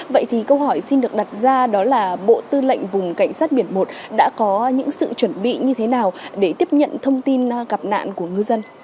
vậy thì câu hỏi xin được đặt ra đó là bộ tư lệnh vùng cảnh sát biển một đã có những sự chuẩn bị như thế nào để tiếp nhận thông tin gặp nạn của ngư dân